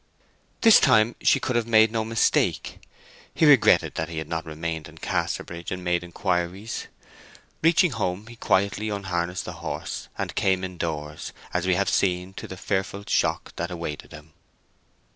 This time she could have made no mistake. He regretted that he had not remained in Casterbridge and made inquiries. Reaching home he quietly unharnessed the horse and came indoors, as we have seen, to the fearful shock that awaited him.